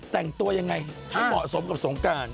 แต่งตัวยังไงให้เหมาะสมกับสงการ